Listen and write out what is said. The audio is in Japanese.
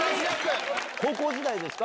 高校時代ですか？